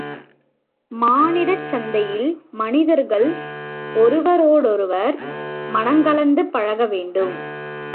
மானிடச் சந்தையில் மனிதர்கள் ஒருவரோடொருவர் மனங்கலந்து பழக வேண்டும்.